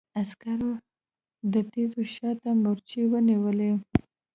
عسکرو د تيږو شا ته مورچې ونيولې.